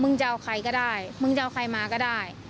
จะเอาใครก็ได้มึงจะเอาใครมาก็ได้